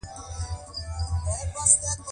انګلیسي په کاناډا کې هم کارېږي